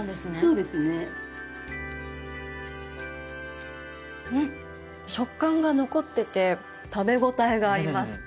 うん食感が残ってて食べ応えがあります